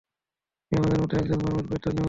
তুমি আমাদেরই মত একজন মানুষ বৈ তো নও।